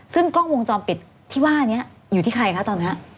ซึ่งกล้องวงจรปิดที่ว่านี้อยู่ที่ใครคะตอนนี้